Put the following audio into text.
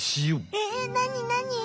えなになに？